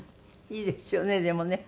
いいですよねでもね。